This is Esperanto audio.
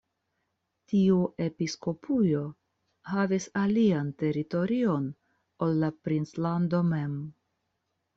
Tiu episkopujo havis alian teritorion ol la princlando mem.